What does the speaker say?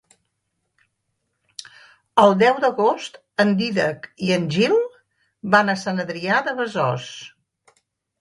El deu d'agost en Dídac i en Gil van a Sant Adrià de Besòs.